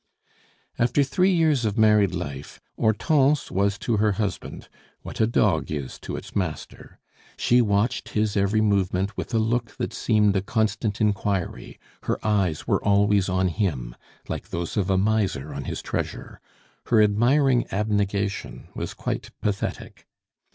After three years of married life, Hortense was to her husband what a dog is to its master; she watched his every movement with a look that seemed a constant inquiry, her eyes were always on him, like those of a miser on his treasure; her admiring abnegation was quite pathetic.